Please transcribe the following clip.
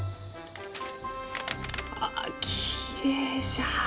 ああきれいじゃ。